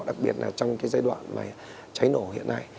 đặc biệt là trong cái giai đoạn mà cháy nổ hiện nay